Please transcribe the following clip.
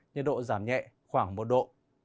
nhiệt độ giảm nhẹ khoảng một độ